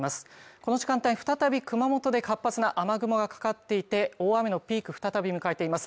この時間帯再び熊本で活発な雨雲がかかっていて、大雨のピーク再び迎えています。